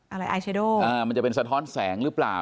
อะไรไอเชโดอ่ามันจะเป็นสะท้อนแสงหรือเปล่า